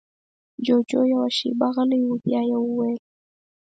جُوجُو يوه شېبه غلی و، بيا يې وويل: